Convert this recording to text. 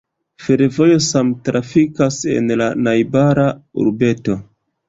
Fervojo same trafikas en la najbara urbeto.